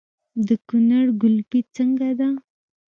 د کونړ ګلپي څنګه ده؟